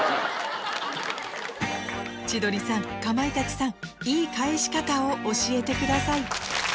千鳥さんかまいたちさんいい返し方を教えてください